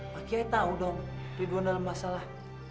pak kiai tau dong ridwan dalam masalah